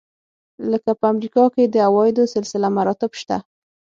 لکه په امریکا کې د عوایدو سلسله مراتب شته.